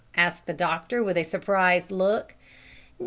asked the doctor, with a surprised look.